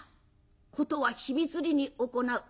事は秘密裏に行う。